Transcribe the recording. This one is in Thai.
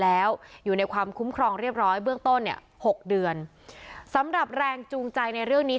แล้วอยู่ในความคุ้มครองเรียบร้อยเบื้องต้นเนี่ยหกเดือนสำหรับแรงจูงใจในเรื่องนี้